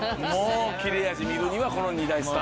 切れ味見るにはこの２大スター。